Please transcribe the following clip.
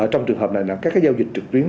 trong trường hợp này là các giao dịch trực tuyến